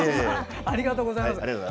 ありがとうございます。